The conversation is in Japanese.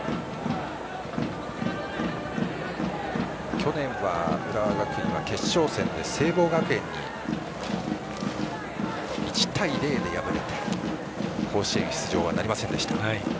去年は浦和学院は決勝戦で聖望学園に１対０で敗れて甲子園出場はなりませんでした。